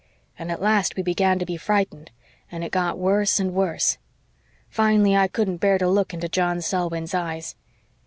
And at last we began to be frightened, and it got worse and worse. Fin'lly I couldn't bear to look into John Selwyn's eyes.